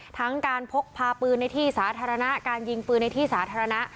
ทั้งการพกพาปืนในที่สาธารณะการยิงปืนในที่สาธารณะ